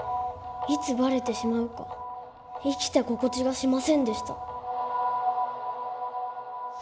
いつばれてしまうか生きた心地がしませんでした。